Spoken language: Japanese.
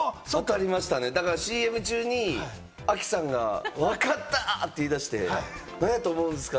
ＣＭ中に亜希さんが分かった！って言い出して、なんやと思うんですか？